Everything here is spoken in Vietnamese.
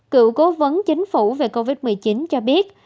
cựu cố vấn chính phủ về covid một mươi chín cho biết